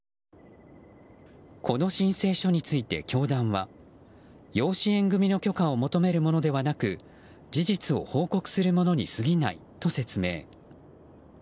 この申請書について教団は養子縁組の許可を求めるものではなく事実を報告するものにすぎないと説明。